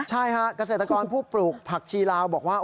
ใช่ฮะเกษตรกรผู้ปลูกผักชีลาวบอกว่า